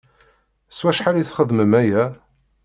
S wacḥal i txeddmem aya?